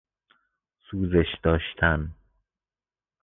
سوزش داشتن